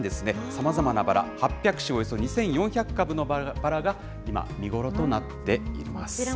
さまざまなバラ、８００種およそ２４００株のバラが今、見頃となっています。